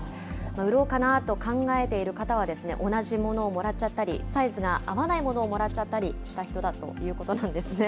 売ろうかなと考えている方は、同じものをもらっちゃったり、サイズが合わないものをもらっちゃったりした人だということなんですね。